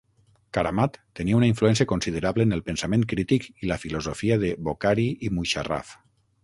Karamat tenia una influència considerable en el pensament crític i la filosofia de Bokhari i Musharraf.